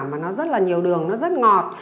mà nó rất là nhiều đường nó rất ngọt